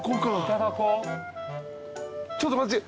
「ちょっと待っちぇ」？